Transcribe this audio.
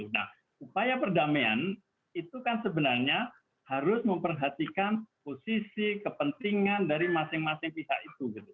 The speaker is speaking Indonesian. nah upaya perdamaian itu kan sebenarnya harus memperhatikan posisi kepentingan dari masing masing pihak itu gitu